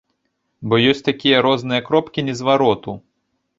Бо ёсць такія розныя кропкі незвароту.